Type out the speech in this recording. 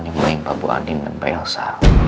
yang main pak bu andin dan pak elsa